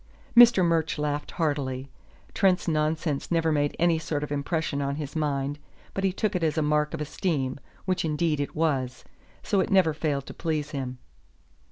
Mr. Murch laughed heartily. Trent's nonsense never made any sort of impression on his mind, but he took it as a mark of esteem, which indeed it was; so it never failed to please him.